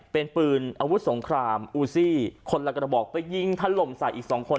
เป็นปืนอาวุธสงครามอูซี่คนละกระบอกไปยิงถล่มใส่อีกสองคน